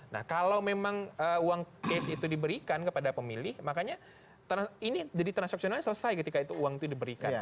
nah kalau memang uang case itu diberikan kepada pemilih makanya ini jadi transaksionalnya selesai ketika itu uang itu diberikan